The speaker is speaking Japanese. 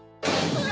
うわ！